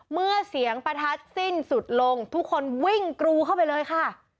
เมื่อเสียงประทัดสิ้นสุดลงทุกคนวิ่งกรูเข้าไปเลยค่ะ